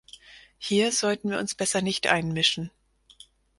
Hier sollten wir uns besser nicht einmischen.